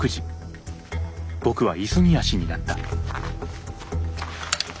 僕は急ぎ足になった。